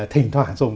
thỉnh thoảng dùng